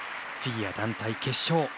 フィギュア団体決勝。